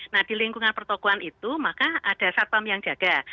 nah di lingkungan pertokohan itu maka ada satpam yang jaga